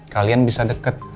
kalian bisa deket